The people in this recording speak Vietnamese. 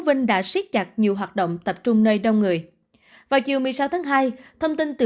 vinh đã siết chặt nhiều hoạt động tập trung nơi đông người vào chiều một mươi sáu tháng hai thông tin từ